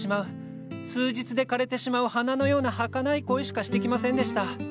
数日で枯れてしまう花のようなはかない恋しかしてきませんでした！